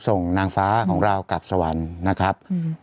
นางฟ้าของเรากลับสวรรค์นะครับ